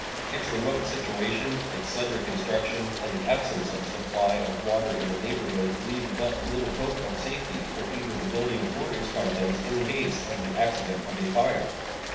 Its remote situation, its slender construction, and the absence of a supply of water in the neighborhood leave but little hope of safety for either the building or its contents in case of the accident of a fire.